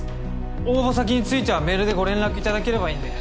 応募先についてはメールでご連絡いただければいいんで。